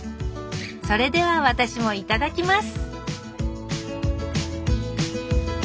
それでは私もいただきます